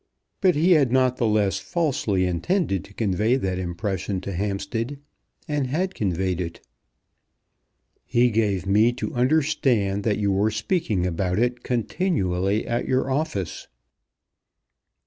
But he had not the less falsely intended to convey that impression to Hampstead, and had conveyed it. "He gave me to understand that you were speaking about it continually at your office."